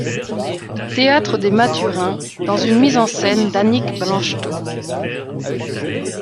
Théâtre des Mathurins, dans une mise en scène d’Annick Blancheteau.